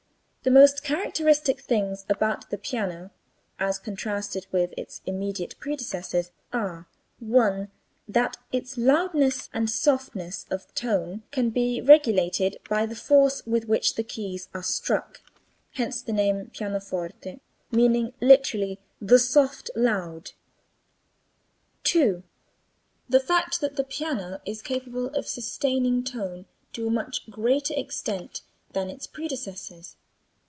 The most characteristic things about the piano as contrasted with its immediate predecessors are: (1) that on it the loudness and softness of the tone can be regulated by the force with which the keys are struck (hence the name pianoforte meaning literally the soft loud); (2) the fact that the piano is capable of sustaining tone to a much greater extent than its predecessors.